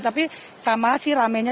tapi sama sih rame nya